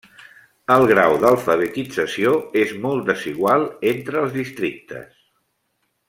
El grau d'alfabetització és molt desigual entre els districtes.